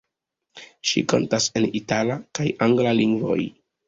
Ŝi kantas en itala kaj angla lingvoj.